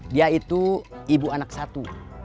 dia itu ibu anak satu